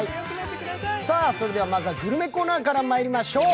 それではまずはグルメコーナーからまいりましょう。